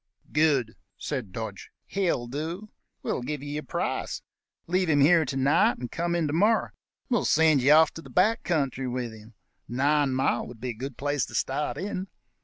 "Good!" said Dodge; "he'll do. We'll give you your price. Leave him here to night, and come in to morrow. We'll send you off to the back country with him. Nine mile would be a good place to start in.